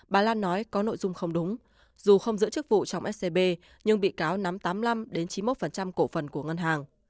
bà lan nói có nội dung không đúng dù không giữ chức vụ trong scb nhưng bị cáo nắm tám mươi năm chín mươi một cổ phần của ngân hàng